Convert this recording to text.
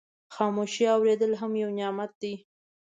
خاموشي اورېدل هم یو نعمت دی.